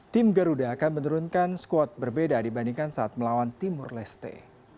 tim garuda akan menurunkan squad berbeda dibandingkan saat melawan timur leste